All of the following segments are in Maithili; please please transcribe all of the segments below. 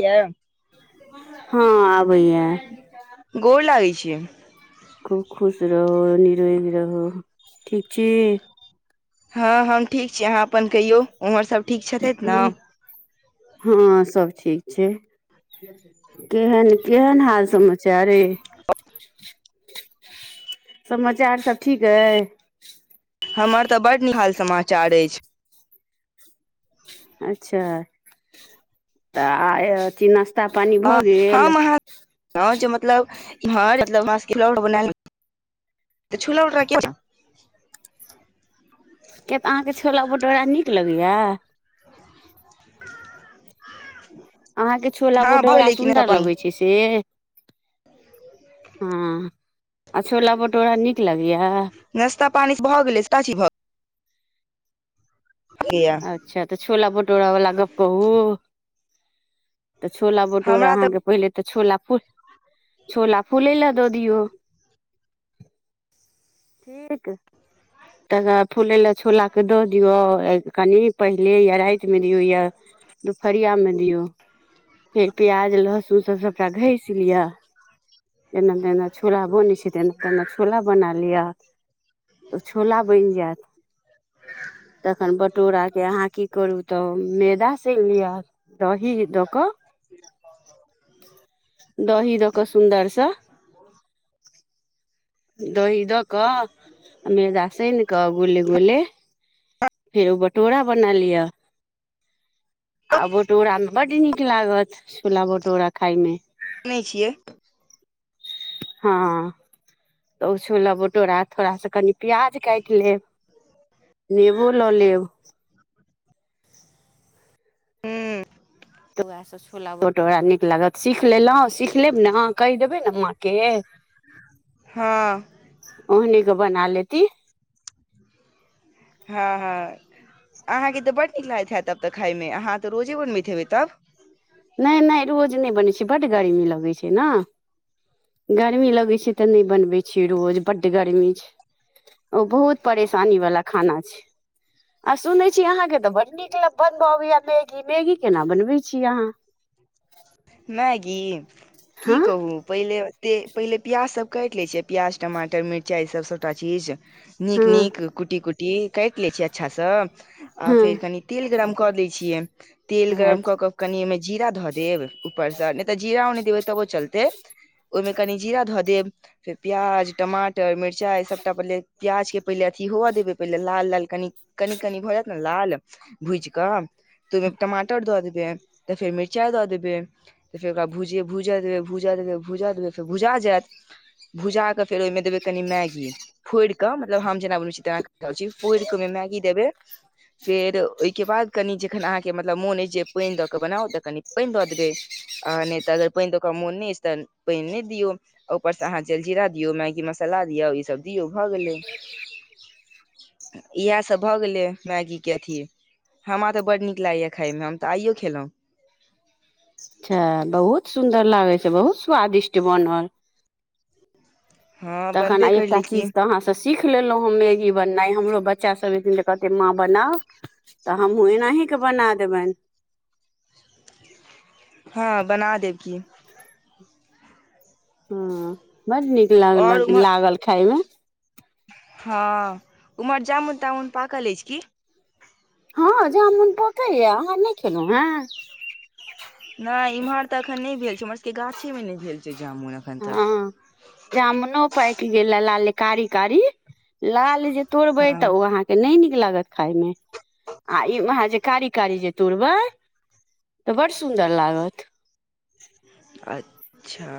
कियाअ हँ आब गोर लागै छी खूब खुश रहु निरोगी रहु ठीक छि हँ हम ठीक छी अहाँ अपन कहियौ ओम्हर सभ ठीक छथि ने हम हँ सब ठीक छै केहन केहन हाल समाचार अइ समाचार सभ ठीक अइ हमर तऽ बड नीक हाल समाचार अछि अच्छा तऽ आय की नश्ता पानी भऽ गेल त मतलब मान्छ कि लोल बनाएल छुलें रहा किछो [inaudible] किय तऽ अहाँके छोला भटोरा नीक लगैया अहाँके छोला हँ भऽ भूटोरा गेलै कि नास्ता सुन्दर पानी लगै छै से हँ आ छोला भटोरा नीक लगया नाश्ता पानी भऽ गेलै सबटा चीज भ गेलै अच्छा तऽ छोला भटूरा वला गप्प कहू तऽ छोला भटूरा हमरा तऽ अहाँ के पहिले तऽ छोला फूल छोला फूले लेअ दऽ दियौ ठीक त फुले लेअ छोला के दऽ दियऔ कनि पहिले या रातिमे दियौ या दुपहरियामे दियौ फेर पि्याज लसुन सब ओकरा घस लिअ जेना जेना छोला बनै छै तेना कनि छोला बना लिअ तऽ छोला बनि जायत तखन भ तोरा के अहाँ की करू तऽ मैदा साइन लिअ दही दऽ कऽ [inaudible] दही दऽ कऽ सुन्दरसँ दही द क कनी एकरा सइन क गोले गोले फेर ओ भटोरा बना लिअ आ भटोरा मे बड नीक लागत छूला भटूरा खााय मे सुनै छियै हँ तऽ ओ छोला भटोरा थोड़ा से कनि प्याज काइट लेब ओ लऽ लेब हूँ तऽ उएहसँ छोला भटोरा नीक लागत सीख लेलहुँ सीख लेब ने कहि देबै ने माँके हँ ओहने क बना लेती हँ हँ अहाँकेँ तऽ बड्ड नीक लागैत हएैत तब तऽ खाइमे अहाँ तऽ रोजे बनबयत हेबै तब नहि नहि रोज नहि बनै छै बड गर्मी लगैत छै ने गर्मी लगै छै तऽ नहि बनबै छियै रोज बड्ड गर्मी छै ओ बहुत परेशानी वाला खाना छै आ सुनै छी अहाँके तऽ बड़ नीक मतल बनबऽ अबैया मैगी मैगी केना बनबै छीय अहाँ मैगी की हँ कहू पहिले से पहिले प्याज सब काटि ले छिय प्याज टमाटर मिरचाई ई सब सबटा चीज नीक हँ नीक कुट्टी कुट्टी काटि लै छीय अच्छासँ आ हँ फेर कनि तेल गरम कऽ दै छियै तेल गरम अच्छा कऽ कऽ कनि ओहिमे जीरा धऽ देब ऊपरसँ नहि तऽ जीरा ओ नहि देबै तबो चलतै ओहिमे कनि जीरा धऽ देब प्याज टमाटर मिरचाई सबटा पहिले प्याज के पहिले अथी हो देबे पहिले लाल लाल कनि कनि कनि भऽ जायत ने लाल भुज कऽ त ओहिमे टमाटर दऽ देबे तऽ फेर मिरचाई दऽ देबै त फेर भुजय भुजा जेका भुजा गले त भुजा जैत भुजा क फेर ओहिमें देबे कनी मैगी फोड़ि के मतलब हम जेना बनल छी तेना छी फोड़ के मैगी देबे [inaudible] फेर ओहिके बाद कनि जखन अहाँके मतलब मोन अछि जे पाइन दऽ कऽ बनाउ तऽ कनि पाइन दऽ देबै आ नहि तऽ अगर दऽ पाइन ओकरा मोन नहि अछि तऽ पाइन नहि दियौ ऊपरसँ अहाँ जल जीरा दियौ मैगी मसाला इसब दियो भ गले इहे सब भगेले मैगी के अथी हमरा तऽ बड्ड नीक लागैएा खाइमे हम तऽ आइयो खेलहुँं अच्छा बहुत सुन्दर लागै छै बहुत स्वादिष्ट बनल हँ तखन आ बनबे एकटा करलै की चीज तऽ अहाँसे सीख लेलो ह मैगी बनाय हमरो बच्चा सब [unintelligible] कहते माँ बनाव तऽ हमहु एनाही क के बना देब‌इन हँ बना देब की हँ बड नीक और लागलक उम्हर लागल खाायमे हँ उमहर जामुन तामुन पाकल अछि की। हँ जामुन पकैए अहाँ नाऽ खेलहुँ हेँ। नाऽ इम्हर तऽ एखन न‌ऽ भेल छै हमर सबके गाछे मे नाऽ भेल छै जामुन एखन तऽ हँ जामुनो पाइक गेले लागले कारी कारी लाल जे तोरबे त‌ऽ उ‌ऽ हँ अहांँ के न‌ऽ नीक लागत खाइ में आ इ [unintelligible] कारी कारी जे तुड़बै तऽ बड़ सुन्दर लागत अ-च्छा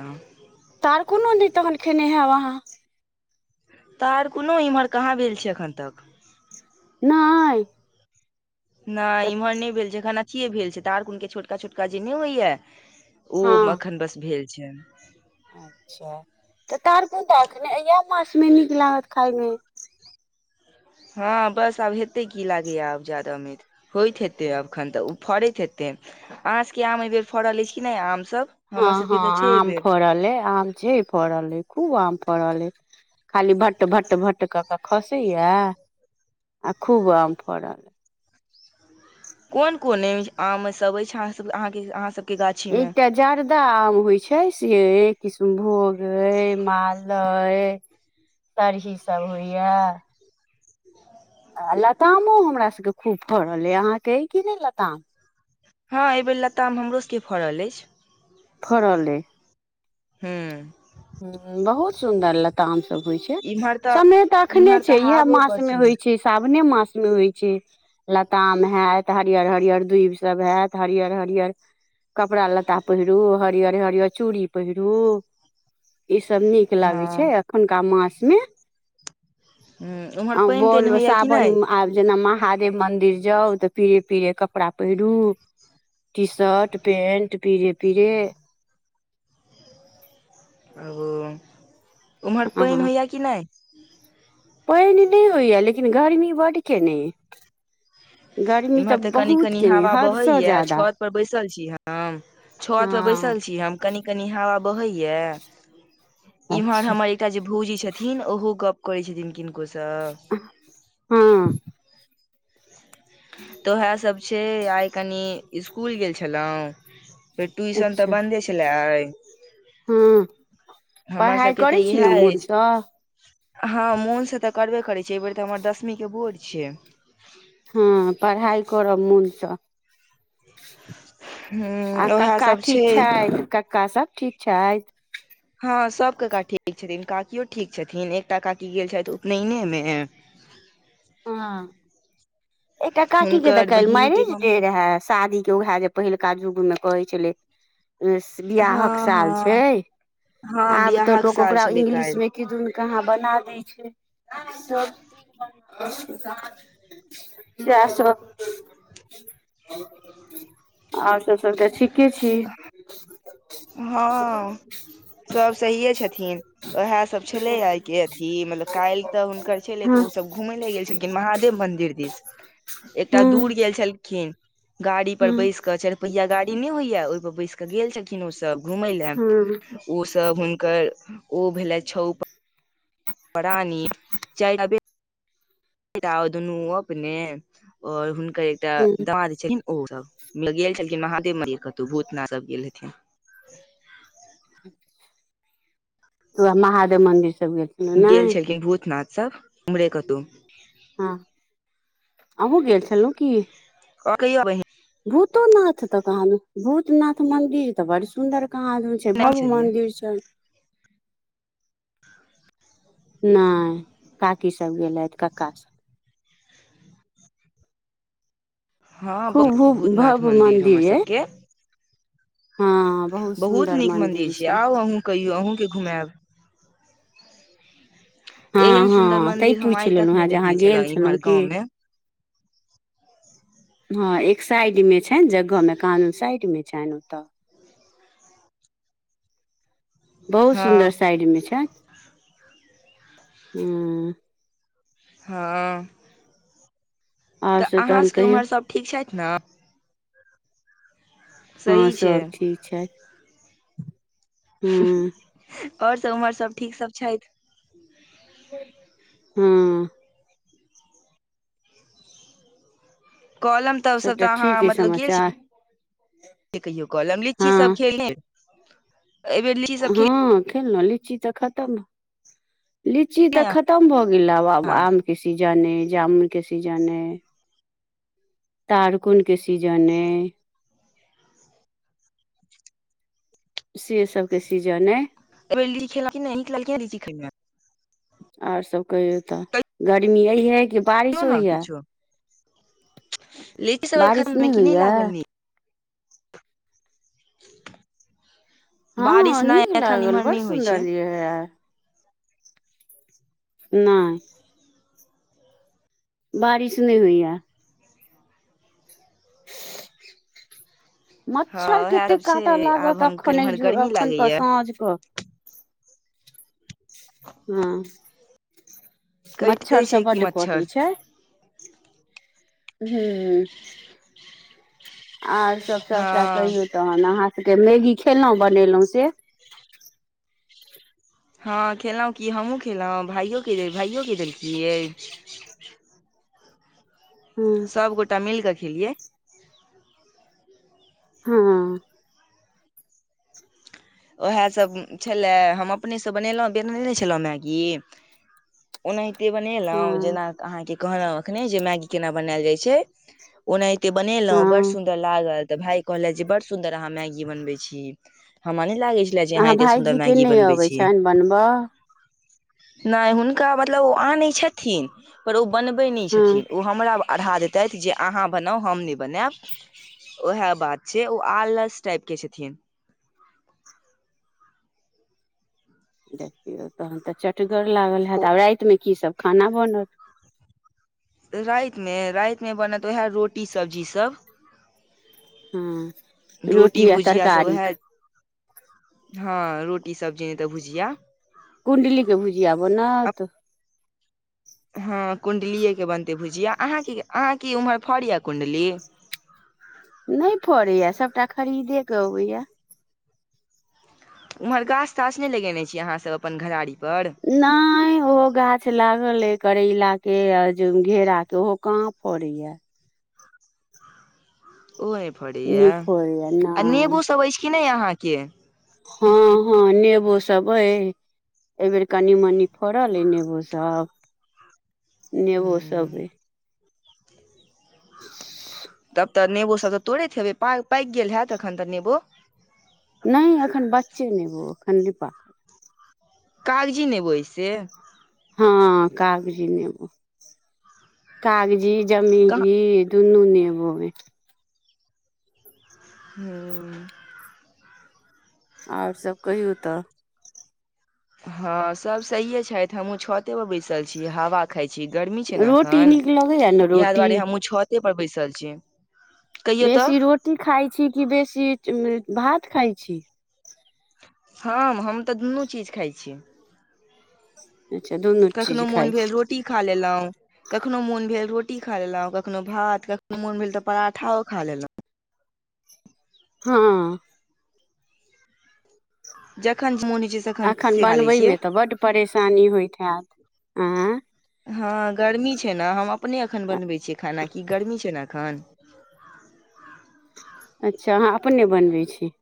त‌ऽ आर कोनो न‌ऽ तखन खेने हैब अहाँ। तऽ आर कोनो इम्हर कहाँ भेल छै एखन तक न‌‌ऽ ना‌ऽ इम्हर नै भेल छै एखन अथिये भेल छै तऽ आर कोनके छोटका छोटका जे न‌ऽ होइया ओ हँ एखन बस भेल छै। अच्छा तऽ तहर कोन तऽ एने य [unintelligible] उमे नीक लागत खााय मे। हँ बस आब हेतै की लागैएा आब जादाा मे होइत हेतै अखन तऽ उ। फड़ैत हेतै अहाँ सके आम ऐबेर फड़ल अछि कि न‍ऽ आम सब हमर हँ हँ सबके तऽ छै आम एहिबेर फड़ले आम छै फड़ले खूब आम फड़ले खाली भट्ट भट्ट भट्ट क‌ऽ कऽ खसैया आ खूब आम फड़ल कोन कोन [unintelligible] आम सभ अछि अहाँ सभकले अहाँके अहाँसभ एकटा जर्दा आम होइ छै सियये किष्नभोग ऐ मालदा ऐ सरही सभ होइए आ लतामो हमरा सभके खूब फड़ल ये अहाँके कि नइ लताम। हँ ऐ बेर लताम हमरो सबके फड़ल अछि। फड़ले हँ हुं बहुत सुन्दर लताम सभ होइ छै, इम्हर तऽ समय त‌ऽ अखने इम्हर छै तऽ ये हावो मास बड़ में होइ सुन्दर छै साव होने मास मे होइ छै लताम हेत हरियर हरियर दूब सब हेत हरियर हरियर कपड़ा लत्ता पहिरू हरियर हरियर चूड़ी पहिरू ई सब नीक लागे हँ छै एखुनका मास मे हूँ उम्हर आऊ पानि बोल तानि व होइया कि सावन नहि म‌् आब जेना महादेव मंदिर जाउ तऽ फिर पीरे कपड़ा पहिरू टी शर्ट पेंट पीरे पीरे आगू अ-अहांँ [unintelligible] लेकिन गरमी बड्ड केने गर्मी तऽ इम्हर त‌ऽ कनि बहुत कनि केने हवा बहे हदसँ ये ज्यादा छत पर बैसल छी हम छत पर हँ बैसल छी हम कनि कनि हवा बहैय इम्हर अच्छा हमर एकटा जे भोजी छथिन ओहो गप करै छथिन किनको [unintelligible] हँ तऽ उएहसभ छै आइ कनि इसकुल गेल छलहुँ फेर ट्यूशन तऽ अच्छा बन्दे छलै आइ हँ हमर पढ़ाई सबके करै तऽ इएह छी ने मन अछि से। हँ मोनसँ तऽ करबे करैत छै एहि बेेर तऽ हमर दसमीके भोर छिये हँ पढ़ाइ करब मोनसँ आ ह उएह कक्का सब ठीक छै कक्का सभ ठीक छै हँ सब कका ठीक छथिन काकियो ठीक छथिन एकटा काकी गेल छथि उपनयने मे ह ह एकटा काकी के ते हुनकर कैल बहिन के मैरेज गाम डे रहे शादी केओए जे पहिलका युगमे कहै छलै बियाहक हँ साल हँ छै हँ आब तऽ बियाहक लोक साल ओकरा छलै इंगलिश काल्हि में किदुन कहाँ बना दै छै सब चीज तै सब ओर सब सब तऽ ठीके छी हँ सब सहिये छथिन ओएह सब छलै आइ के अथी मतलब काल्ह तऽ हुनकर छलै तऽ हँ ओसभ घु गेल छलखिन महादेव मन्दिर दिस एकटा दूर हूँ गेल छलखिन गाड़ी हूँ पर बैस क चारिपहिया गाड़ी नहि होइया ओहिपर बैस कऽ गेल छलखिन ओ सभ घुमय लए हँ हूँ ओसभ हुनकर ओ भेले छौ पड़ानी चाय तबे दुनू अपने और हुनकर एकटा तऽ डामाद छै ओ सब गेल छलखिन महादेव मन्दिर कतो भूतनाथ सब गेल हथिन ह तऽ वएह महादेव मन्दिर सभ गेल छलन ने सभ उमरे कतहु हँ आबो गेल छलहुँ की ओ कहिय बै भूतोनाथ तऽ कहल भूतनाथ मंदिर तऽ बड़ सुन्दर कहाँ आदमी छै भव्य छलियै मन्दिर छै नहि काकीसभ गेलेथ क्कासभ हँहु खूब भू भूतनाथ भव्य मन्दिर हमर मंदिर अइ सभके बहुत नीक मंदिर छै आउ अहँ कहियौ अहूँ घुमाब हँ हँ तै पूछि लेलहुँ नहि हेँ जे अहाँ देखने गेल छलहुँ इम्हर की गाँव मे हँ एक साइड मे छै जगहमे कानू साइड मे छनि ओतऽ बहुत हँ सुन्दर साइड मे छै ह हँ तऽ आओर सब तहन अहाँसभके कहियौ उम्हर सभ ठीक छैथ ने हँ सही सभ छै ठीक छै हँ ओर सभ उमर सभ ठीक सभ छैथ हँ कॉलम तऽसभ सबटा तऽ अहाँ ठीक अइ मतलब गेल छी समाचार कहियो कहल हम लीचीसभ हँ खेल एहि बेेर लीचीसभ खेल खेलल लीची तऽ खतम लीची तऽ खतम भऽ गेल आब आब अहाँ आमके सीजन अइ जामुनके सीजन अइ तारकोन के सीजन है से सभके सीजन अइ खेल नहि रीची खेल ओर सभ कहियौ तऽ गर्मी एहिइहे कि बारिश कहियौ ने होइया लेट सबर बारिश खमे कि नहि होइये लागल ने बारिश हँ नहि नीक एखन लागल बड़ इमहरनी होइ सुन्दर छै यए नहि बारिश नय होइया हँ मच्छर उएह सब कतेक काटऽ छै आब लागत हम एखन इम्हर ज गर्मी एखनके लागैया साँझ क हँ मच्छर कटिते छै सब कि बड्ड कटी मच्छर छै हँ आर सब सभटा हँ कहियौ तहन अहाँ मैगी खेलहुँ बनेलहुँ से हँ खेलल हु कि हमहूँ खेललहुँ भाइोके देल भाइओे देलखियै हँ सभगोटा मिल कऽ खेलियै हँ उएहैं सभ छलय हम अपनेसँ बनेलहुँ बनने छलहुँ मैगी ओना एते बनेलहु हँ जेना अहाँ के कहलहु अखने जे मैगी केना बनायल जाय छै ओना एते बनेलहुं बड़ हँ सुंदर लागल तऽ भाय कहले जे बड़ सुंदर अहाँ मैगी बनबे छी हम लागै छल जे अहाँ एते सुन्दर भायजीके मैगी नहि बनबै अबै छियै छनि बनबऽ नहि हुनका मतलब ओ आनैत छथिन पर ओ बनबै नहि हँ छथिन ओ हमरा अढ़ा देैतथि जे अहाँ बनाउ हम नहि बनायब ओ हए बात छै ओ आलस टाइप के छथिन देखियौ तहन तऽ चटगर लागल होत ओ आब राति मे की सब खाना बनत रातिमे रातिमे बनत उएह रोटी सब्जी सभ हँ रोटी आ भुजिया सभ तरकारी उएह हँ रोटी सब्जी नहि तऽ भुजिया कुण्डलीके भुजिया ब ने तऽ हँ कुण्डलिएके बनतै भुजआ अहाँ क अहाँ की ओम्हर फड़ यए कुण्डली [inaudible] [unintelligible] नहि फड़ैया सभटा खरीदेके अबैया उम्हर गाछ ताास नहि लगेने छीयै अहाँ सब अपन घरारी पर नय ओ गाछ लागल आई करैला के आ जे घेरा के ओहो कहाँ फड़ैया ओ नहि नहि फड़ैया फड़ैया आ नहि नेबो सब अछि कि नहि अहाँके हँ हँ नेबो सब अई एहिबेर कनि मनि फड़ल अई नेबो सभ नेबो हूँ सबेए तब तऽ नेबो सब तऽ तोड़ैत हेबै पाकि गेल होयत एखन तऽ नेबो नहि एखन बच्चे नेबौ एखन रीपा कागजी नेबो आई से हँ कागजी नेबो कागजी कहाँ जमीरी दुनू नेबो अछी ह आओर सब कहियौ तऽ हँ सभ सहिए छथि हमहूँ छतेपर बैसल छी हवा खाइत छी गर्मी छै ने रोटी एखन नीक लगैया ने इएह रोटी दुआरे हमहुँ छते पर बैसल छी कहियौ तऽ बेसी रोटी खाइ छी कि बेसी भात खााय छी हँ हम तऽ दुनू चीज खाइ छी अच्छा दुनू कखनो चीज मोन खाइ भेल छी रोटी खा लेलहुँ कखनो मोन भेल रोटी रोट्टी खा लेलहुँ कखनहु भात कखनो मोन भेल तऽ पराठो खा लेलहुँ हँ जखन मोन छै तखन एखन से खा लै बनबै छियै मे तऽ बड्ड परेशानी होइत हैत आँय हँ गर्मी छै ने हम अपने एखन बनबै छियै खाना की गर्मी छै ने एखन अच्छा अहाँ अपने बनबै छी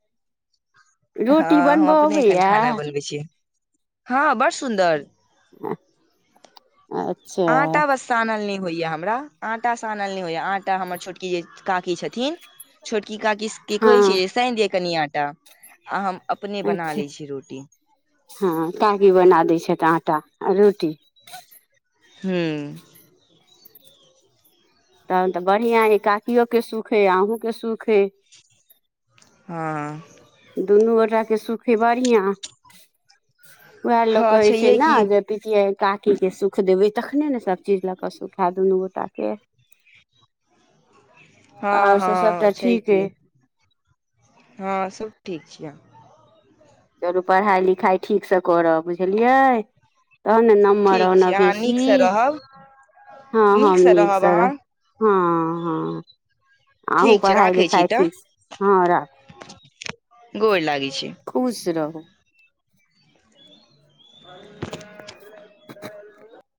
हँ रोटी हम बनबऽ अपने एखन अबैया खाना बनबै छीयै हँ बड़ सुन्दर अ आटा वस सानल नइ होइया हमरा आटा सानल नइ होइया आटा हमर छोटकी काकी छथिन छोटकी काकी किस की कहै छी हँ जे साइन दिय कनि आटा आ हम अपने बना अच्छा लै छी रोटी हँ काकी बना दै छथि आटा आ रोटी हूँ तहन तऽ बढ़िआँ ह काकियोके सुख हइ अहूँ के सुख हइ हँ दुनू गोटाक के सुखी बढ़िऑं वएह लोको हँ कहै छै छैहे ने की जे पितिया काकी के सुख देबे तखने ने सब चीज लऽ क सुख है दुनू गोटा के हँ आओर से हँ सभटा छै ठीक की अइ हँ आ सब ठीक छियै चलू पढ़ाइ लिखाइ ठीक सँ करब बुझलियै तहन ने नमर ठीक छी आनब अहाँ बेसी नीकसँ रहब हँ हम नीकसँ नीक रहब से रह अहाँ हँ हँ अहूँ ठीक छै पढ़ाई राखै छी लिखाइ तऽ ठीक से हँ राख गोर लागि छी रहू [inaudible]